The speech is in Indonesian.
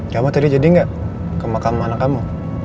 kamu tadi jadi gak ke makam anak kamu